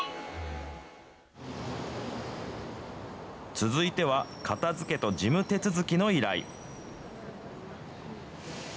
続いては、片づけと事務手続きの依頼。